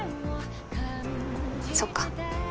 そっか。